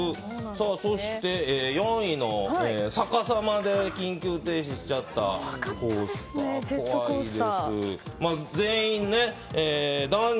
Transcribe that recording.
そして、４位の逆さまで緊急停止しちゃったコースター。